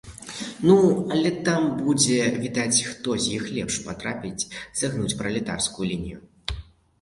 Ну, але там будзе відаць, хто з іх лепш патрапіць загнуць пралетарскую лінію!